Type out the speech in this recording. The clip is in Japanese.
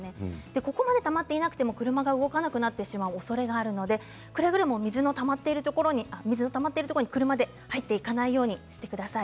ここまでたまっていなくても車が動かなくなってしまうおそれがありますのでくれぐれも水のたまっているところに車で入っていかないようにしてください。